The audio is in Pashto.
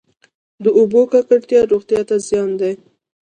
د اوبو ککړتیا روغتیا ته زیان دی.